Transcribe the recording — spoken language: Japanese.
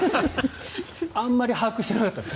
あまり把握してなかったです。